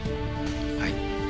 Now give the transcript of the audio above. はい。